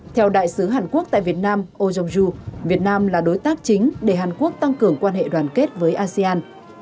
theo đại sứ hàn quốc tại việt nam oeong ju việt nam là đối tác chính để hàn quốc tăng cường quan hệ đoàn kết với asean